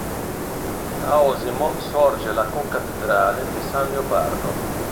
A Osimo sorge la concattedrale di San Leopardo.